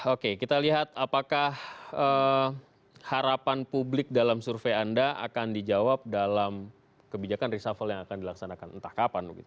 oke kita lihat apakah harapan publik dalam survei anda akan dijawab dalam kebijakan reshuffle yang akan dilaksanakan entah kapan